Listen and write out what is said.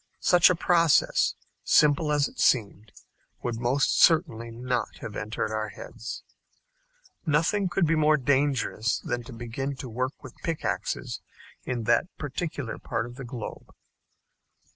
Such a process, simple as it seemed, would most certainly not have entered our heads. Nothing could be more dangerous than to begin to work with pickaxes in that particular part of the globe.